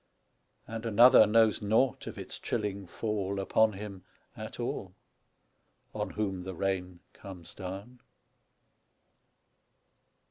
And another knows nought of its chilling fall Upon him at all, On whom the rain comes down.